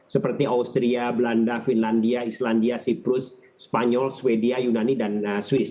seperti austria belanda finlandia islandia siprus spanyol sweden yunani dan swiss